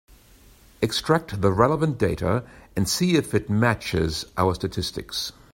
Extract the relevant data and see if it matches our statistics.